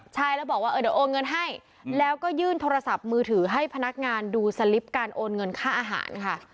ใช่แล้วบอกว่าเดี๋ยวโอนเงินให้แล้วก็ยื่นโทรศัพท์มือถือให้พนักงานดูสลิปการโอนเงินค่าอาหารค่ะ